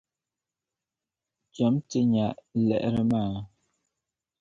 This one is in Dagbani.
Chami ti nya liɣiri maa.